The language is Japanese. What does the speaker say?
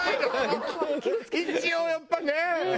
一応やっぱね。